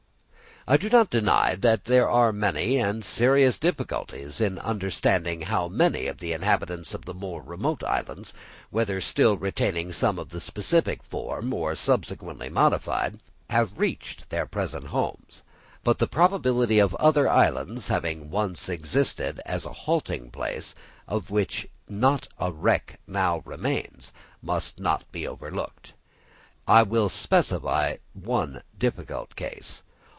I do not deny that there are many and serious difficulties in understanding how many of the inhabitants of the more remote islands, whether still retaining the same specific form or subsequently modified, have reached their present homes. But the probability of other islands having once existed as halting places, of which not a wreck now remains, must not be overlooked. I will specify one difficult case.